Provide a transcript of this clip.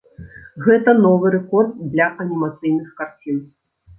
Гэта новы рэкорд для анімацыйных карцін.